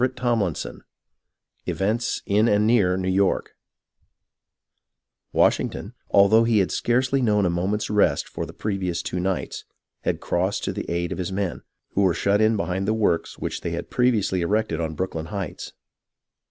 CHAPTER XIII EVENTS IN AND NEAR NEW YORK Washington, although he had scarcely known a mo ment's rest for the previous two nights, had crossed to the aid of his men, who were shut in behind the works which they had previously erected on Brooklyn Heights.